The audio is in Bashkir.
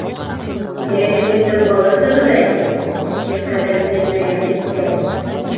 Кәрәгегеҙҙе алырһығыҙ әле, кеше ҡәҙерен белмәгән эттәр!